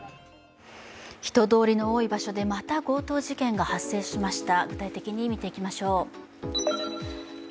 人通りの多い場所でまた強盗事件が発生しました。